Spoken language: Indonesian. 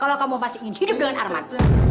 kalau kamu masih ingin hidup dengan arman